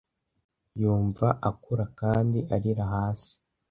yumva akura kandi arira hasi